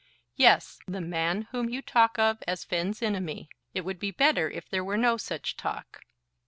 "Yes; the man whom you talk of as Finn's enemy. It would be better if there were no such talk."